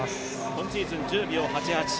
今シーズン１０秒８８。